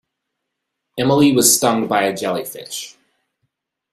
Emily was stung by a jellyfish.